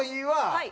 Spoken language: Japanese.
はい！